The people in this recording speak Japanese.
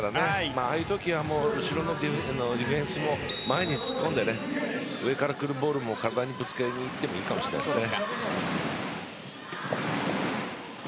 ああいうときは後ろのディフェンスも前に突っ込んで上から来るボールに体をぶつけに行ってもいいかもしれないですね。